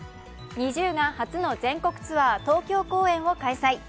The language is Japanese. ＮｉｚｉＵが初の全国ツアー東京公演を開催。